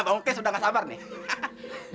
bang mukli sudah gak sabar nih